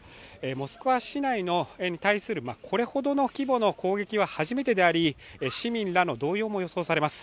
モスクワ市内に対する、これほどの規模の攻撃は初めてであり、市民らの動揺も予想されます。